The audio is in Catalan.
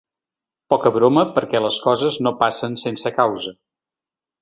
Poca broma, perquè les coses no passen sense causa.